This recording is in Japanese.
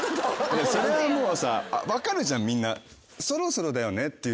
それはもうさ分かるじゃんみんな。